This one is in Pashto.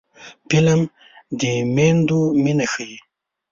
فلم د میندو مینه ښيي